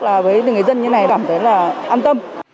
là với người dân như này cảm thấy là an tâm